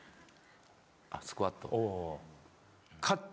あスクワット。